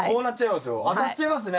当たっちゃいますね。